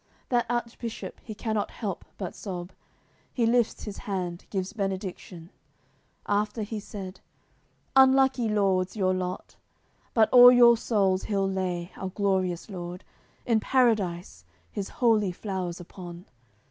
That Archbishop, he cannot help but sob, He lifts his hand, gives benediction; After he's said: "Unlucky, Lords, your lot! But all your souls He'll lay, our Glorious God, In Paradise, His holy flowers upon!